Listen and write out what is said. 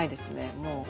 もう。